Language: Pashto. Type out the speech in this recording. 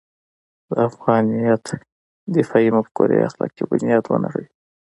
د افغانیت دفاعي مفکورې اخلاقي بنیاد ونړوي.